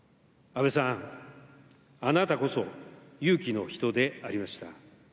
安倍さん、あなたこそ、勇気の人でありました。